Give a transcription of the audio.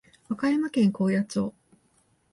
和歌山県高野町